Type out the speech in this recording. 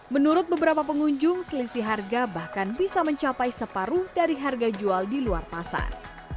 menurut beberapa pengunjung selisih harga bahkan bisa mencapai separuh dari harga jual di luar pasar